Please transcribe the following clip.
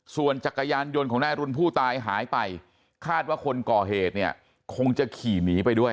ส่วนจักรยานยนต์ของนายอรุณผู้ตายหายไปคาดว่าคนก่อเหตุเนี่ยคงจะขี่หนีไปด้วย